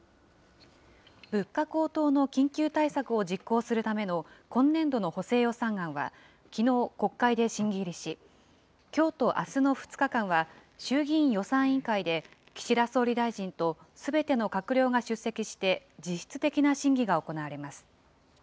物価高騰の緊急対策を実行するための今年度の補正予算案は、きのう国会で審議入りし、きょうとあすの２日間は、衆議院予算委員会で岸田総理大臣とすべての閣僚が出席して、実質的な審議が行われます。